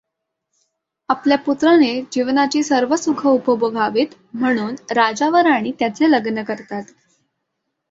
आपल्या पुत्राने जीवनाची सर्व सुख उपभोगावीत म्हणुन राजा व राणी त्याचे लग्न करतात.